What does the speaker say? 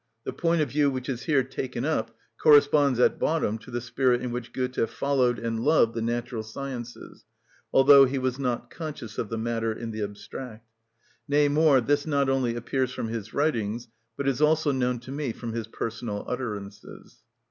The point of view which is here taken up corresponds at bottom to the spirit in which Goethe followed and loved the natural sciences, although he was not conscious of the matter in the abstract. Nay more, this not only appears from his writings, but is also known to me from his personal utterances.